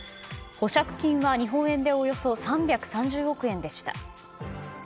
保釈金は日本円でおよそ３３０億円でした。